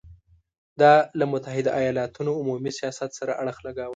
دا له متحدو ایالتونو عمومي سیاست سره اړخ لګاوه.